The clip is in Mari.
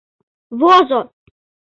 — Возо!